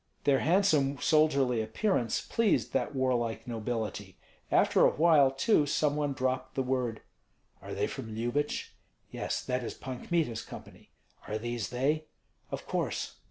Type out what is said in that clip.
Their handsome soldierly appearance pleased that warlike nobility; after a while, too, some one dropped the word, "Are they from Lyubich?" "Yes, that is Pan Kmita's company!" "Are these they?" "Of course."